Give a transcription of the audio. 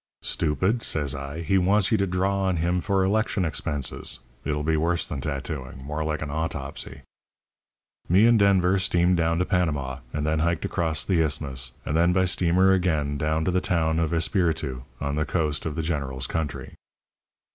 "'Stupid!' says I. 'He wants you to draw on him for election expenses. It'll be worse than tattooing. More like an autopsy.' "Me and Denver steamed down to Panama, and then hiked across the Isthmus, and then by steamer again down to the town of Espiritu on the coast of the General's country.